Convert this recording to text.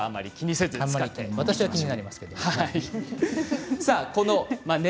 私は気になりますけどね。